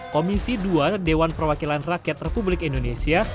komisi dua dewan perwakilan rakyat republik indonesia